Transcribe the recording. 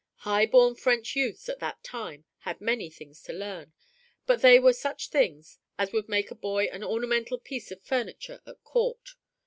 High born French youths at that time had many things to learn, but they were such things as would make the boy an ornamental piece of furniture at court.